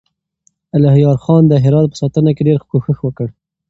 الهيار خان د هرات په ساتنه کې ډېر کوښښ وکړ.